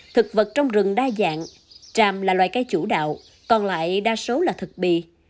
thực vật trong rừng đa dạng tràm là loài cây chủ đạo còn lại đa số là thực bì